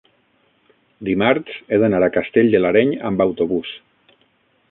dimarts he d'anar a Castell de l'Areny amb autobús.